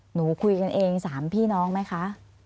หนูคุยกันเอง๓พี่น้องไหมคะ